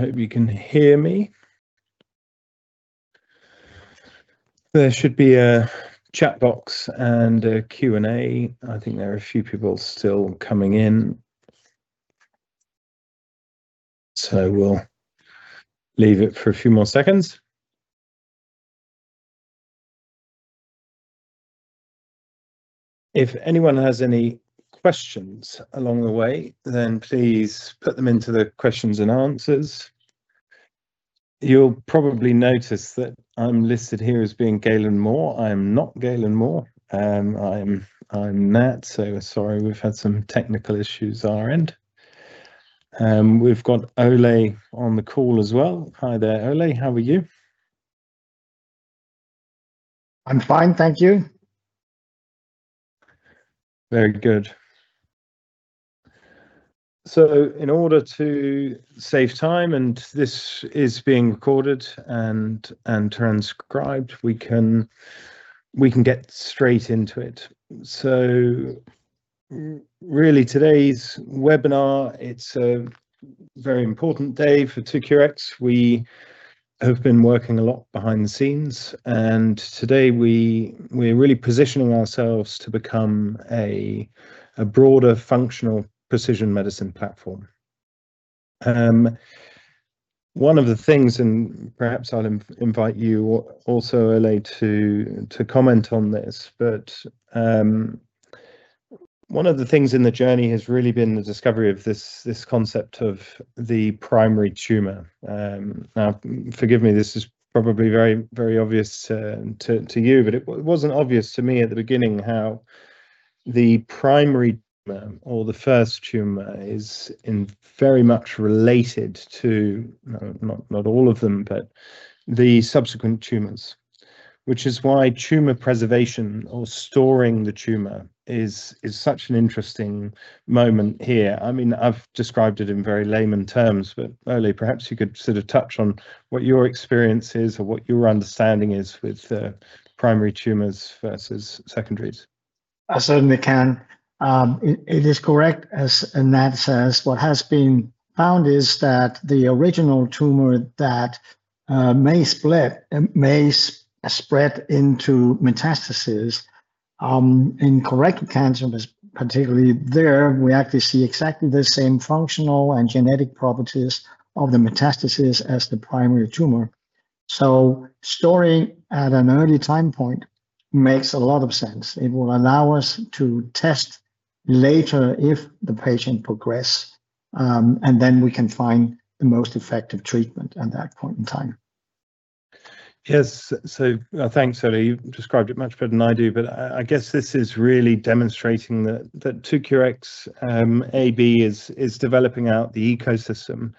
I hope you can hear me. There should be a chat box and a Q&A. I think there are a few people still coming in, so we'll leave it for a few more seconds. If anyone has any questions along the way, then please put them into the questions and answers. You'll probably notice that I'm listed here as being Galen Moore. I am not Galen Moore. I'm Nat, so sorry we've had some technical issues our end. We've got Ole on the call as well. Hi there, Ole. How are you? I'm fine, thank you. Very good. In order to save time, and this is being recorded and transcribed, we can get straight into it. Really today's webinar, it's a very important day for 2cureX. We have been working a lot behind the scenes, and today we're really positioning ourselves to become a broader functional precision medicine platform. One of the things, and perhaps I'll invite you also, Ole, to comment on this, but one of the things in the journey has really been the discovery of this concept of the primary tumor. Now, forgive me, this is probably very obvious to you, but it wasn't obvious to me at the beginning how the primary tumor or the first tumor is very much related to, not all of them, but the subsequent tumors. Which is why tumor preservation or storing the tumor is such an interesting moment here. I've described it in very layman terms, but Ole, perhaps you could sort of touch on what your experience is or what your understanding is with primary tumors versus secondaries. I certainly can. It is correct, as Nat says, what has been found is that the original tumor that may spread into metastasis, in colorectal cancer, particularly there, we actually see exactly the same functional and genetic properties of the metastasis as the primary tumor. Storing at an early time point makes a lot of sense. It will allow us to test later if the patient progress, and then we can find the most effective treatment at that point in time. Yes. Thanks, Ole. You described it much better than I do. I guess this is really demonstrating that 2cureX AB is developing out the ecosystem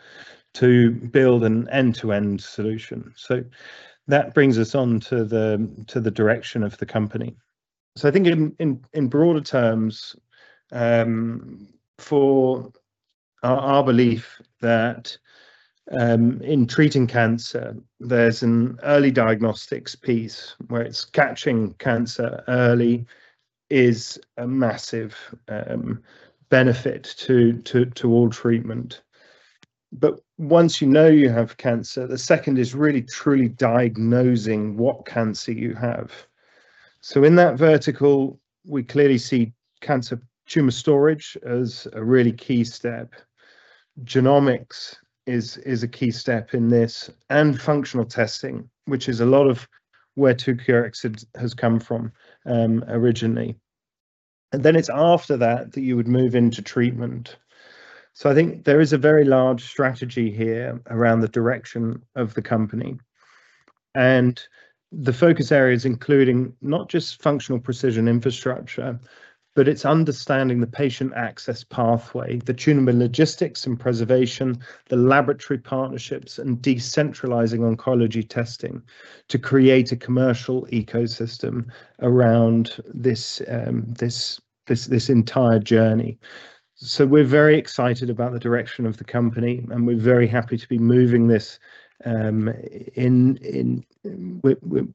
to build an end-to-end solution. That brings us on to the direction of the company. I think in broader terms, for our belief that, in treating cancer, there's an early diagnostics piece where it's catching cancer early is a massive benefit to all treatment. Once you know you have cancer, the second is really truly diagnosing what cancer you have. In that vertical, we clearly see cancer tumor storage as a really key step. Genomics is a key step in this and functional testing, which is a lot of where 2cureX has come from originally. It's after that that you would move into treatment. I think there is a very large strategy here around the direction of the company, and the focus areas, including not just functional precision infrastructure, but it's understanding the patient access pathway, the tumor logistics and preservation, the laboratory partnerships, and decentralizing oncology testing to create a commercial ecosystem around this entire journey. We're very excited about the direction of the company, and we're very happy to be moving this, we're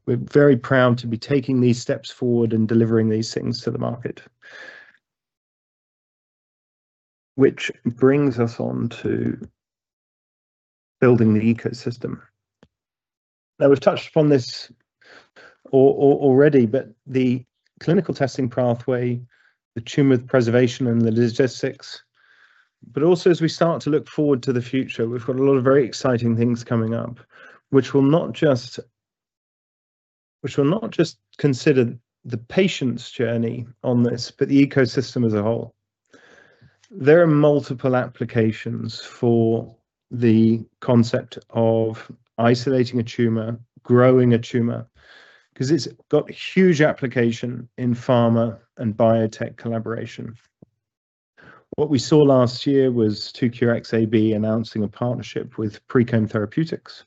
very proud to be taking these steps forward and delivering these things to the market. Which brings us on to building the ecosystem. We've touched upon this already, the clinical testing pathway, the tumor preservation and the logistics, also as we start to look forward to the future, we've got a lot of very exciting things coming up, which will not just consider the patient's journey on this, but the ecosystem as a whole. There are multiple applications for the concept of isolating a tumor, growing a tumor, because it's got huge application in pharma and biotech collaboration. What we saw last year was 2cureX AB announcing a partnership with PreComb Therapeutics.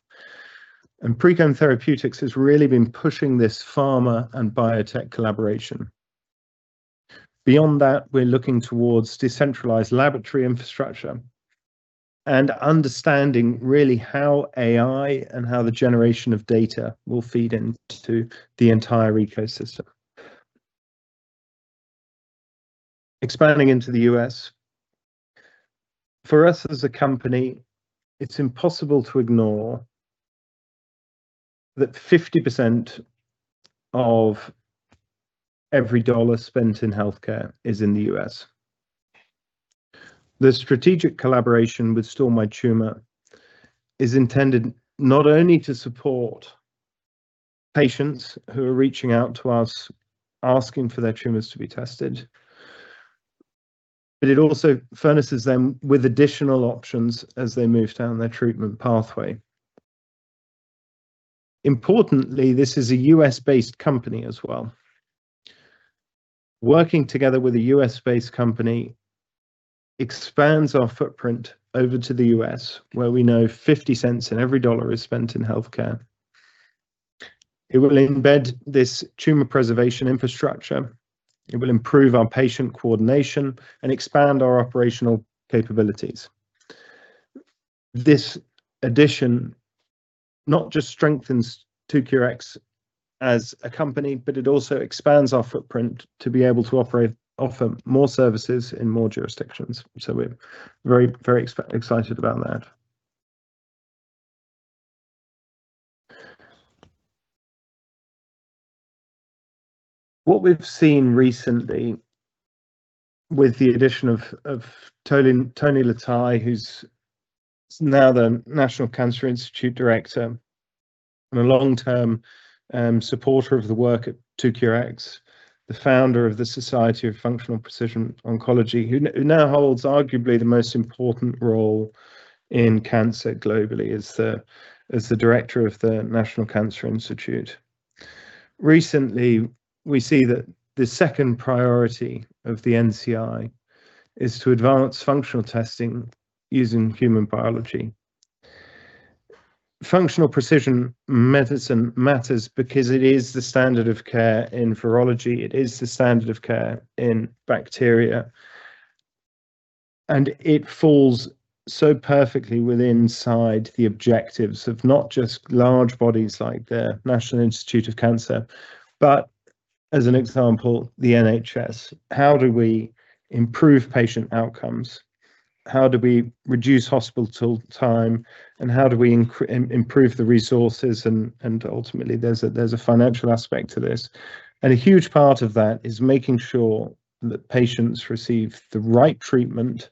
PreComb Therapeutics has really been pushing this pharma and biotech collaboration. Beyond that, we're looking towards decentralized laboratory infrastructure and understanding really how AI and how the generation of data will feed into the entire ecosystem. Expanding into the U.S. For us as a company, it's impossible to ignore that 50% of every $1 spent in healthcare is in the U.S. The strategic collaboration with StoreMyTumor is intended not only to support patients who are reaching out to us asking for their tumors to be tested, but it also furnishes them with additional options as they move down their treatment pathway. Importantly, this is a U.S.-based company as well. Working together with a U.S.-based company expands our footprint over to the U.S., where we know $0.50 in every dollar is spent in healthcare. It will embed this tumor preservation infrastructure, it will improve our patient coordination, and expand our operational capabilities. This addition not just strengthens 2cureX as a company, it also expands our footprint to be able to offer more services in more jurisdictions. We're very excited about that. What we've seen recently with the addition of Anthony Letai, who's now the National Cancer Institute Director and a long-term supporter of the work at 2cureX, the Founder of the Society for Functional Precision Medicine, who now holds arguably the most important role in cancer globally as the Director of the National Cancer Institute. Recently, we see that the second priority of the NCI is to advance functional testing using human biology. Functional precision medicine matters because it is the standard of care in virology, it is the standard of care in bacteria, and it falls so perfectly within inside the objectives of not just large bodies like the National Cancer Institute, but as an example, the NHS. How do we improve patient outcomes? How do we reduce hospital time, and how do we improve the resources? Ultimately, there's a financial aspect to this. A huge part of that is making sure that patients receive the right treatment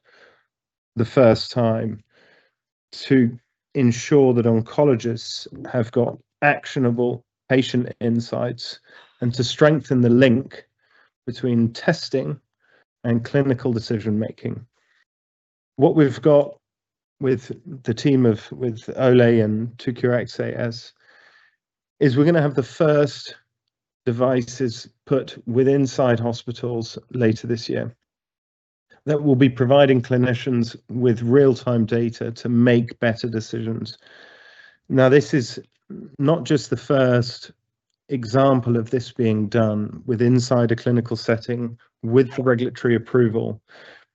the first time to ensure that oncologists have got actionable patient insights and to strengthen the link between testing and clinical decision-making. What we've got with the team with Ole and 2cureX A/S is we're going to have the first devices put with inside hospitals later this year that will be providing clinicians with real-time data to make better decisions. This is not just the first example of this being done with inside a clinical setting with regulatory approval,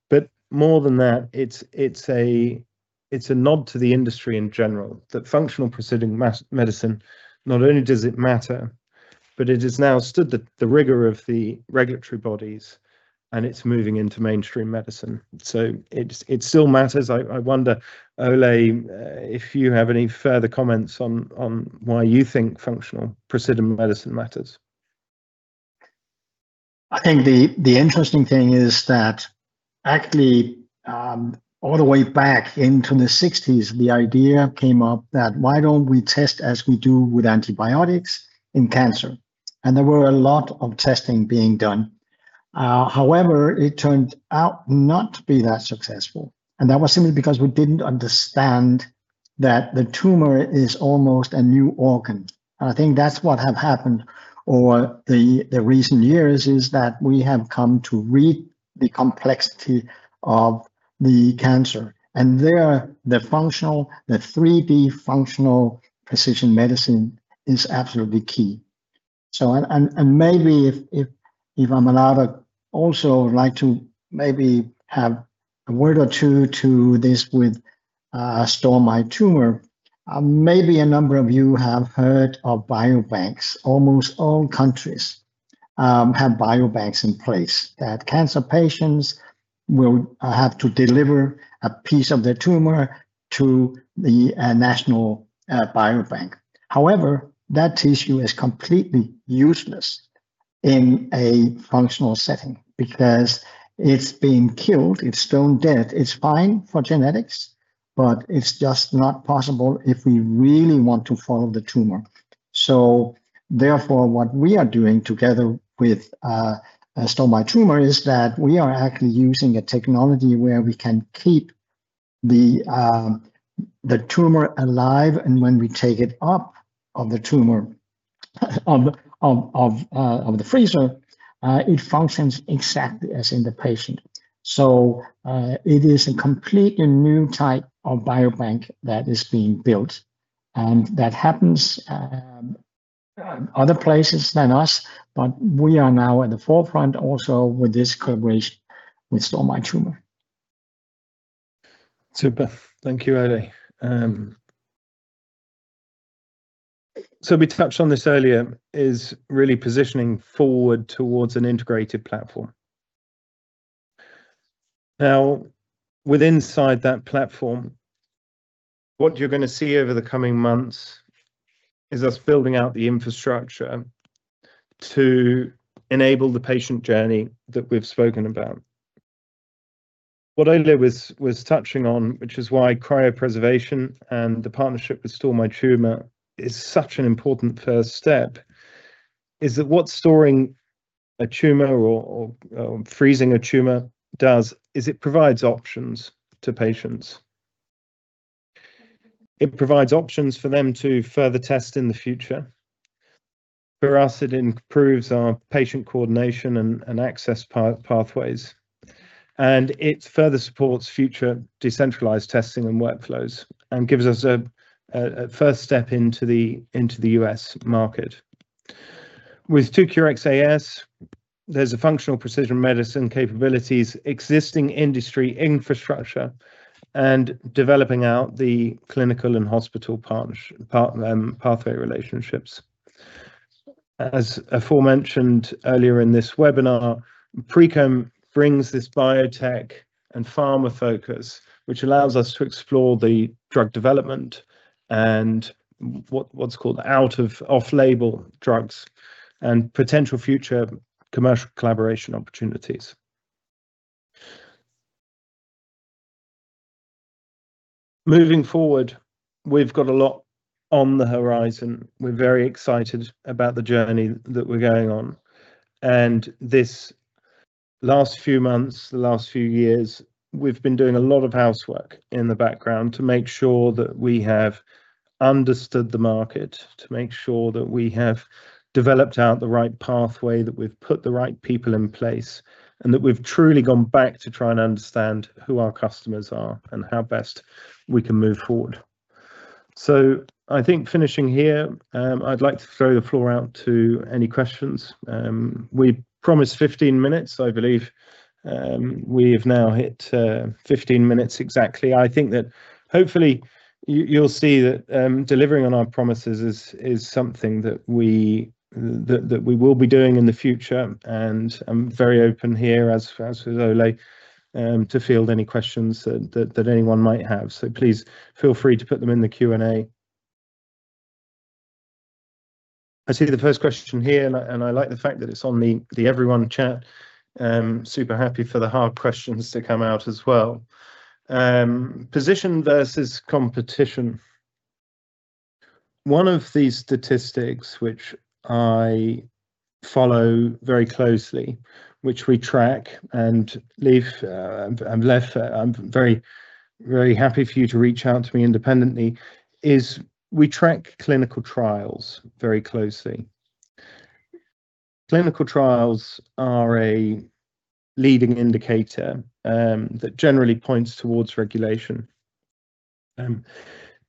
but more than that, it's a nod to the industry in general that functional precision medicine, not only does it matter, but it has now stood the rigor of the regulatory bodies, and it's moving into mainstream medicine. It still matters. I wonder, Ole, if you have any further comments on why you think functional precision medicine matters? I think the interesting thing is that actually, all the way back into the 1960s, the idea came up that why don't we test as we do with antibiotics in cancer? There were a lot of testing being done. However, it turned out not to be that successful, and that was simply because we didn't understand that the tumor is almost a new organ. I think that's what have happened over the recent years is that we have come to read the complexity of the cancer, and there, the 3D Functional Precision Medicine is absolutely key. Maybe if I'm allowed, I'd also like to maybe have a word or two to this with StoreMyTumor. Maybe a number of you have heard of biobanks. Almost all countries have biobanks in place that cancer patients will have to deliver a piece of their tumor to the national biobank. However, that tissue is completely useless in a functional setting because it's been killed, it's stone dead. It's fine for genetics, but it's just not possible if we really want to follow the tumor. Therefore, what we are doing together with StoreMyTumor is that we are actually using a technology where we can keep the tumor alive. When we take it up of the freezer, it functions exactly as in the patient. It is a completely new type of biobank that is being built, and that happens other places than us, but we are now at the forefront also with this collaboration with StoreMyTumor. Super. Thank you, Ole. We touched on this earlier, is really positioning forward towards an integrated platform. Now, with inside that platform, what you're going to see over the coming months is us building out the infrastructure to enable the patient journey that we've spoken about. What Ole was touching on, which is why cryopreservation and the partnership with StoreMyTumor is such an important first step, is that what storing a tumor or freezing a tumor does is it provides options to patients. It provides options for them to further test in the future. For us, it improves our patient coordination and access pathways, and it further supports future decentralized testing and workflows and gives us a first step into the U.S. market. With 2cureX A/S, there's a functional precision medicine capabilities, existing industry infrastructure, and developing out the clinical and hospital pathway relationships. As aforementioned earlier in this webinar, PreComb brings this biotech and pharma focus, which allows us to explore the drug development and what's called off-label drugs and potential future commercial collaboration opportunities. Moving forward, we've got a lot on the horizon. We're very excited about the journey that we're going on. This last few months, the last few years, we've been doing a lot of housework in the background to make sure that we have understood the market, to make sure that we have developed out the right pathway, that we've put the right people in place, and that we've truly gone back to try and understand who our customers are and how best we can move forward. I think finishing here, I'd like to throw the floor out to any questions. We promised 15 minutes, I believe. We have now hit 15 minutes exactly. I think that hopefully you'll see that delivering on our promises is something that we will be doing in the future, and I'm very open here, as with Ole, to field any questions that anyone might have. Please feel free to put them in the Q&A. I see the first question here, and I like the fact that it's on the everyone chat. Super happy for the hard questions to come out as well. Position versus competition. One of the statistics which I follow very closely, which we track and I'm very happy for you to reach out to me independently, is we track clinical trials very closely. Clinical trials are a leading indicator that generally points towards regulation.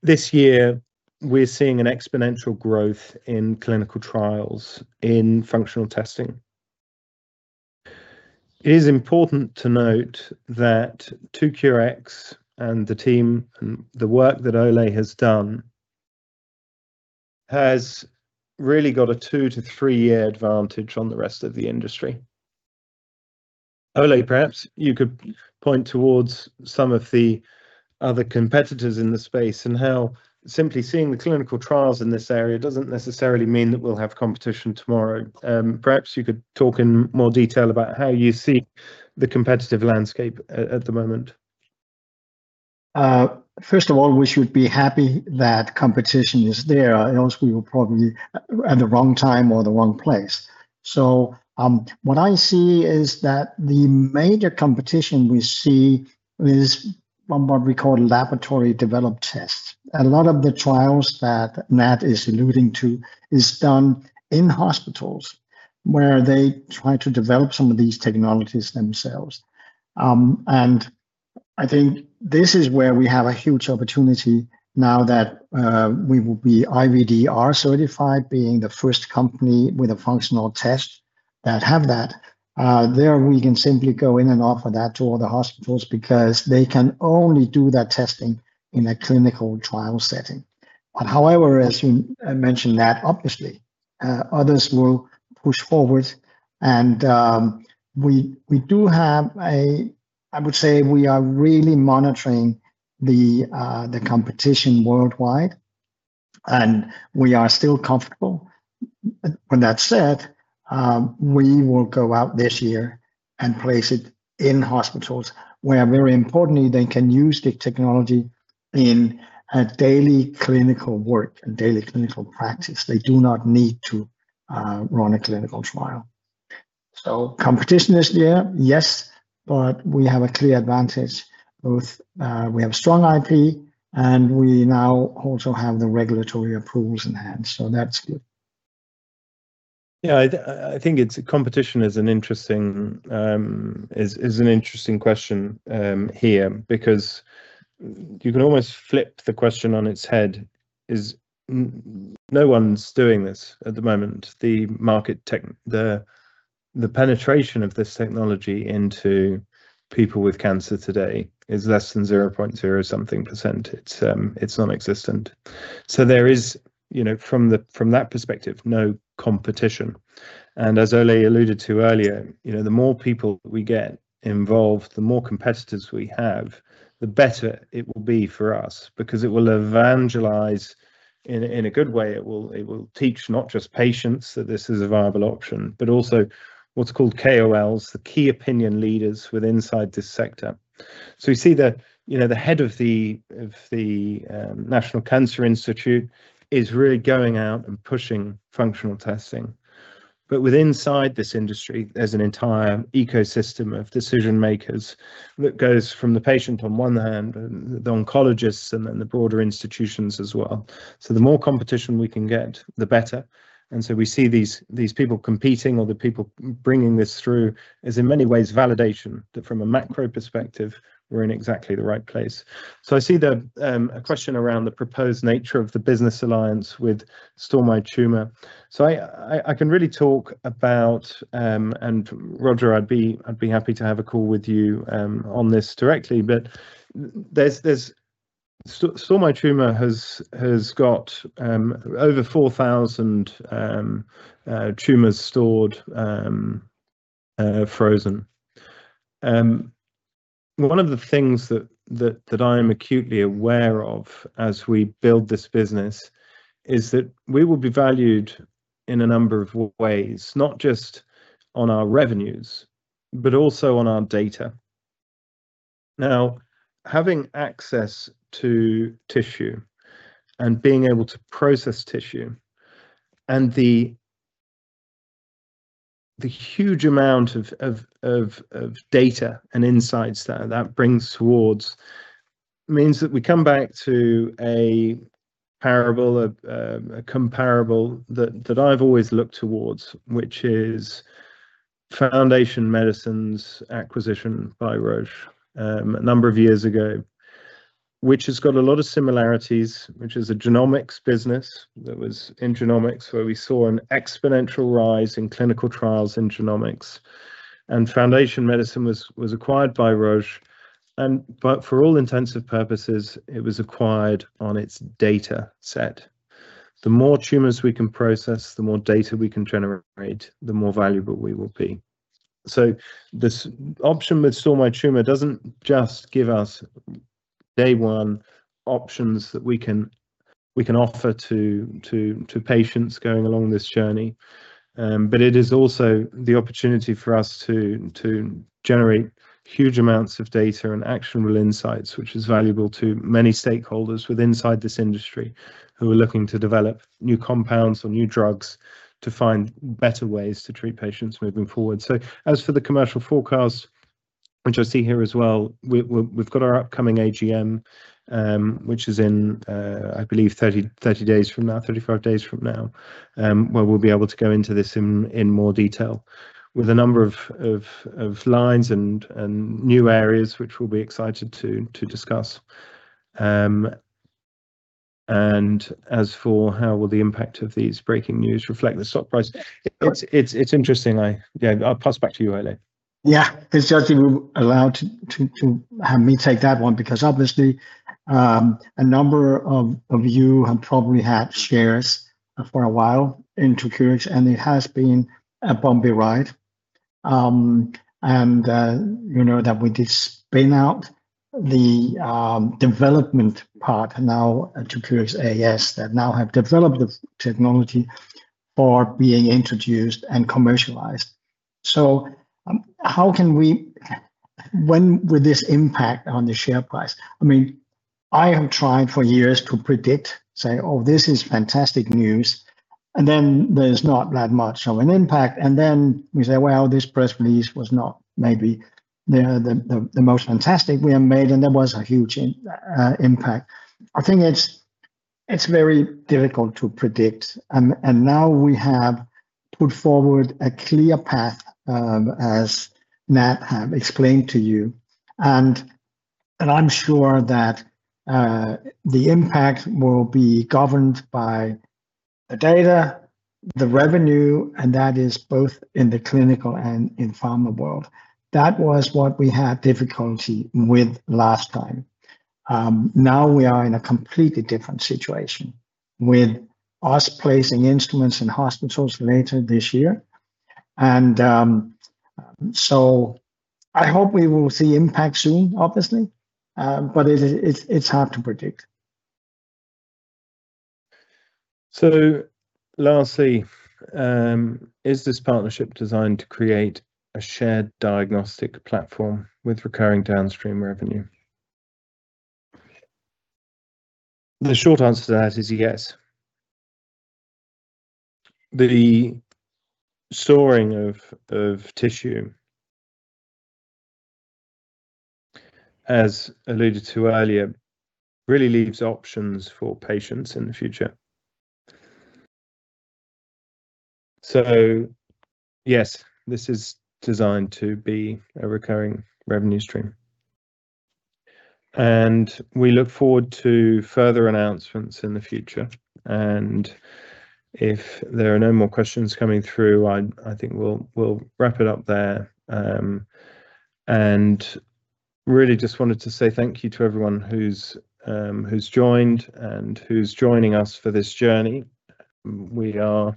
This year, we're seeing an exponential growth in clinical trials in functional testing. It is important to note that 2cureX and the team and the work that Ole has done has really got a two to three-year advantage on the rest of the industry. Ole, perhaps you could point towards some of the other competitors in the space and how simply seeing the clinical trials in this area doesn't necessarily mean that we'll have competition tomorrow. Perhaps you could talk in more detail about how you see the competitive landscape at the moment. We should be happy that competition is there, else we will probably at the wrong time or the wrong place. What I see is that the major competition we see is what we call laboratory-developed tests. A lot of the trials that Nat is alluding to is done in hospitals, where they try to develop some of these technologies themselves. I think this is where we have a huge opportunity now that we will be IVDR certified, being the first company with a functional test that have that. There we can simply go in and offer that to all the hospitals because they can only do that testing in a clinical trial setting. As you mentioned, Nat, obviously, others will push forward, and I would say we are really monitoring the competition worldwide, and we are still comfortable. When that's said, we will go out this year and place it in hospitals where, very importantly, they can use the technology in a daily clinical work and daily clinical practice. They do not need to run a clinical trial. Competition is there, yes, but we have a clear advantage. Both we have strong IP, and we now also have the regulatory approvals in hand, so that's good. Yeah, I think competition is an interesting question here because you can almost flip the question on its head, is no one's doing this at the moment. The market tech, the penetration of this technology into people with cancer today is less than 0.0%- something. It's nonexistent. There is, from that perspective, no competition. As Ole alluded to earlier, the more people we get involved, the more competitors we have, the better it will be for us, because it will evangelize in a good way. It will teach not just patients that this is a viable option, but also what's called KOLs, the key opinion leaders with inside this sector. We see the head of the National Cancer Institute is really going out and pushing functional testing. With inside this industry, there's an entire ecosystem of decision-makers that goes from the patient on one hand, and the oncologists, and then the broader institutions as well. The more competition we can get, the better, we see these people competing or the people bringing this through as in many ways validation that from a macro perspective we're in exactly the right place. I see a question around the proposed nature of the business alliance with StoreMyTumor. I can really talk about Roger, I'd be happy to have a call with you on this directly. StoreMyTumor has got over 4,000 tumors stored frozen. One of the things that I am acutely aware of as we build this business is that we will be valued in a number of ways, not just on our revenues, but also on our data. Having access to tissue and being able to process tissue and the huge amount of data and insights that that brings towards means that we come back to a parable, a comparable that I've always looked towards, which is Foundation Medicine's acquisition by Roche a number of years ago, which has got a lot of similarities, which is a genomics business that was in genomics, where we saw an exponential rise in clinical trials in genomics. Foundation Medicine was acquired by Roche, but for all intents and purposes, it was acquired on its data set. The more tumors we can process, the more data we can generate, the more valuable we will be. This option with StoreMyTumor doesn't just give us day one options that we can offer to patients going along this journey. It is also the opportunity for us to generate huge amounts of data and actionable insights, which is valuable to many stakeholders with inside this industry who are looking to develop new compounds or new drugs to find better ways to treat patients moving forward. As for the commercial forecast, which I see here as well, we've got our upcoming AGM, which is in, I believe, 30 days from now, 35 days from now, where we'll be able to go into this in more detail with a number of lines and new areas, which we'll be excited to discuss. As for how will the impact of these breaking news reflect the stock price, it's interesting. Yeah, I'll pass back to you, Ole. Yeah. It's just you allow to have me take that one because obviously, a number of you have probably had shares for a while in 2cureX, it has been a bumpy ride. You know that with this spin out, the development part now at 2cureX A/S that now have developed the technology are being introduced and commercialized. When will this impact on the share price? I mean, I have tried for years to predict, say, "Oh, this is fantastic news." Then there's not that much of an impact. Then we say, "Well, this press release was not maybe the most fantastic we have made," there was a huge impact. I think it's very difficult to predict. Now we have put forward a clear path, as Nat have explained to you. I'm sure that the impact will be governed by the data, the revenue, and that is both in the clinical and in pharma world. That was what we had difficulty with last time. Now we are in a completely different situation, with us placing instruments in hospitals later this year. I hope we will see impact soon, obviously. It's hard to predict. Lastly, is this partnership designed to create a shared diagnostic platform with recurring downstream revenue? The short answer to that is yes. The storing of tissue, as alluded to earlier, really leaves options for patients in the future. Yes, this is designed to be a recurring revenue stream. We look forward to further announcements in the future. If there are no more questions coming through, I think we'll wrap it up there. Really just wanted to say thank you to everyone who's joined and who's joining us for this journey. We are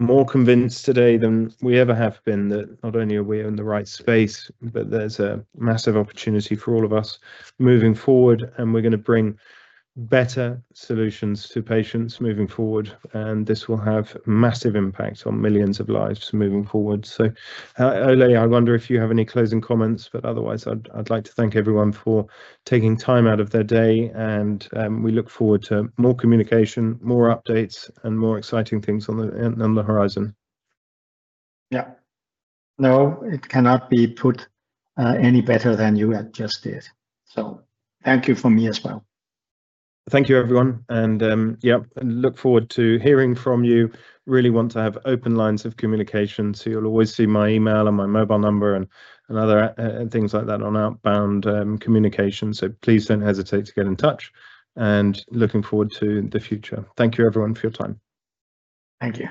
more convinced today than we ever have been that not only are we in the right space, but there's a massive opportunity for all of us moving forward, and we're going to bring better solutions to patients moving forward, and this will have massive impact on millions of lives moving forward. Ole, I wonder if you have any closing comments, but otherwise I'd like to thank everyone for taking time out of their day, and we look forward to more communication, more updates, and more exciting things on the horizon. Yeah. No, it cannot be put any better than you had just did. Thank you from me as well. Thank you everyone, yeah, look forward to hearing from you. Really want to have open lines of communication, you'll always see my email and my mobile number and other things like that on outbound communications. Please don't hesitate to get in touch, looking forward to the future. Thank you everyone for your time. Thank you.